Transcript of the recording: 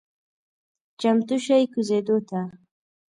چمتو شئ کوزیدو ته…